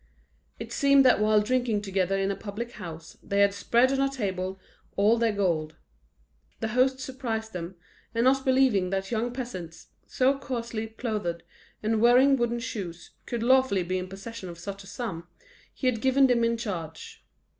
It seemed that while drinking together in a public house, they had spread on a table all their gold. The host surprised them, and not believing that young peasants, so coarsely clothed and wearing wooden shoes, could lawfully be in possession of such a sum, he had given them in charge.